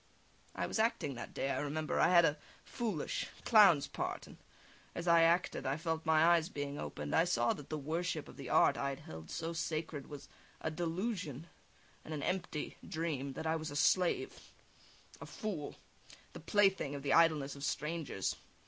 I was acting that day, I remember I had a foolish, clown's part, and as I acted, I felt my eyes being opened; I saw that the worship of the art I had held so sacred was a delusion and an empty dream; that I was a slave, a fool, the plaything of the idleness of strangers.